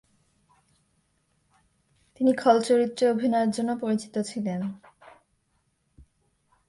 তিনি খলচরিত্রে অভিনয়ের জন্য পরিচিত ছিলেন।